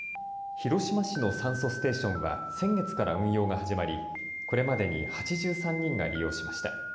広島市の酸素ステーションは、先月から運用が始まり、これまでに８３人が利用しました。